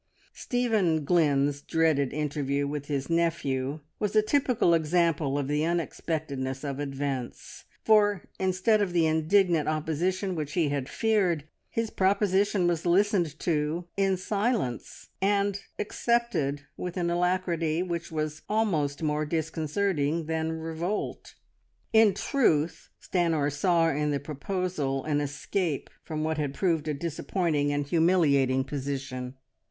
Stephen Glynn's dreaded interview with his nephew was a typical example of the unexpectedness of events, for instead of the indignant opposition which he had feared, his proposition was listened to in silence, and accepted with an alacrity, which was almost more disconcerting than revolt. In truth Stanor saw in the proposal an escape from what had proved a disappointing and humiliating position.